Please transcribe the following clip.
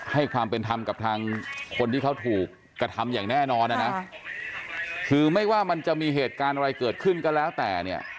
ให้ความเป็นธรรมกับทางคนที่เขาถูกกระทำอย่างแน่นอนนะคือไม่ว่ามันจะมีเหตุการณ์อะไรเกิดขึ้นก็แล้วแต่เนี่ย